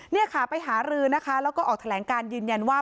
นี่ค่ะไปหารือนะคะแล้วก็ออกแถลงการยืนยันว่า